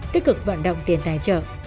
tích cực vận động tiền tài trợ